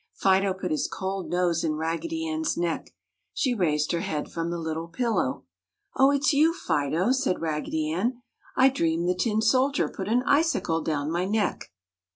Fido put his cold nose in Raggedy Ann's neck. She raised her head from the little pillow. "Oh! It's you, Fido!" said Raggedy Ann. "I dreamed the tin soldier put an icicle down my neck!"